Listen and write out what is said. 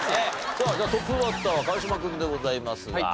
さあじゃあトップバッターは川島君でございますが。